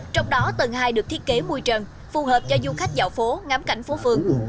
trong đó tầng hai được thiết kế môi trường phù hợp cho du khách dạo phố ngắm cảnh phố phường